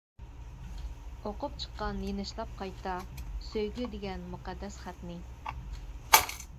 ئوقۇپ چىققان يېنىشلاپ قايتا، سۆيگۈ دېگەن مۇقەددەس خەتنى.